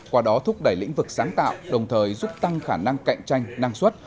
qua đó thúc đẩy lĩnh vực sáng tạo đồng thời giúp tăng khả năng cạnh tranh năng suất